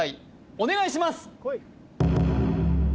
お願いします！